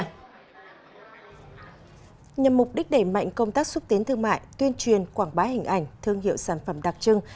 nhằm mục đích đẩy mạnh công tác xúc tiến thương mại tuyên truyền quảng bá hình ảnh thương hiệu sản phẩm đặc trưng